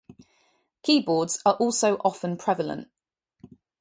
Keyboards are also often prevalent.